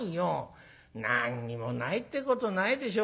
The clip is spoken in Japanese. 「何にもないってことないでしょ。